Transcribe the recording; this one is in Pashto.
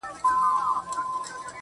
بيا ولې ستا د ښايست هغه عالمگير ورک دی,